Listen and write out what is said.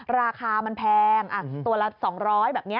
ราคามันแพงตัวละ๒๐๐แบบนี้